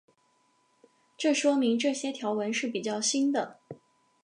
这说明这些条纹是比较新的。